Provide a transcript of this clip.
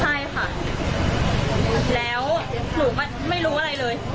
อ๋อหนูเป็นคนขับใช่ค่ะแล้วหนูไม่รู้อะไรเลย